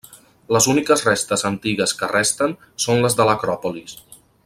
Les úniques restes antigues que resten són les de l'acròpolis.